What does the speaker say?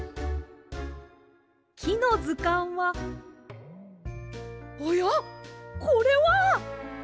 「きのずかん」はおやこれは！？